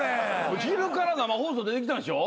昼から生放送出てきたんでしょ？